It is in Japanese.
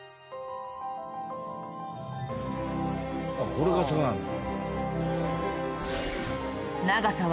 「これがそうなんだ」